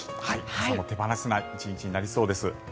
傘の手放せない１日となりそうです。